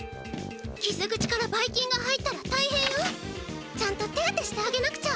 きず口からばいきんが入ったらたいへんよ。ちゃんと手当てしてあげなくちゃ！